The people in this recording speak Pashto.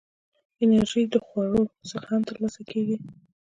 انرژي د خوړو څخه هم ترلاسه کېږي.